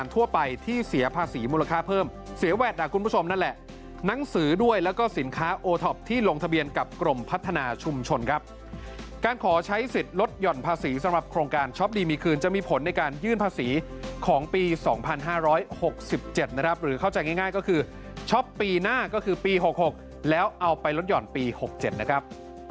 ขอใช้สิทธิ์ลดห่อนภาษีสำหรับโครงการช็อปดีมีคืนจะมีผลในการยื่นภาษีของปี๒๕๖๗นะครับหรือเข้าใจง่ายก็คือช็อปปีหน้าก็คือปี๖๖แล้วเอาไปลดหย่อนปี๖๗นะครับ